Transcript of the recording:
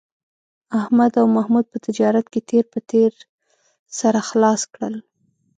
احمد او محمود په تجارت کې تېر په تېر سره خلاص کړل